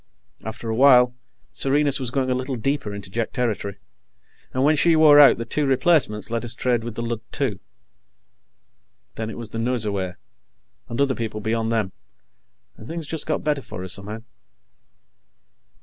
After a while, Serenus was going a little deeper into Jek territory, and when she wore out, the two replacements let us trade with the Lud, too. Then it was the Nosurwey, and other people beyond them, and things just got better for us, somehow.